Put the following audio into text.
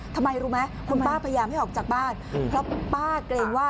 ทำไมรู้ไหมคุณป้าพยายามให้ออกจากบ้านเพราะป้าเกรงว่า